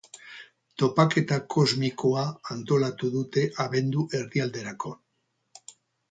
Topaketa kosmikoa antolatu dute abendu erdialderako.